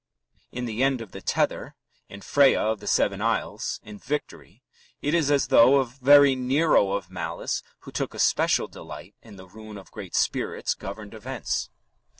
In The End of the Tether, in Freya of the Seven Isles, in Victory, it is as though a very Nero of malice who took a special delight in the ruin of great spirits governed events.